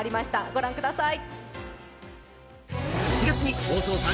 ご覧ください。